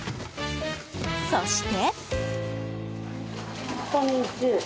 そして。